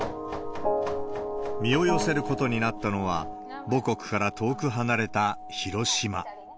身を寄せることになったのは、母国から遠く離れた広島。